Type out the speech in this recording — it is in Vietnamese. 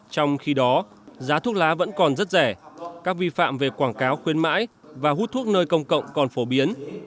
trong khi đó giá thuốc lá vẫn còn rất rẻ các vi phạm về quảng cáo khuyên mãi và hút thuốc nơi công cộng còn phổ biến